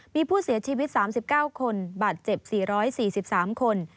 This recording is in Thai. มีผู้เสียชีวิต๓๙คนบาดเจ็บ๔๔๓คน